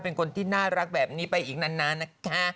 เป็นคนที่น่ารักแบบนี้ไปอีกนานนะคะ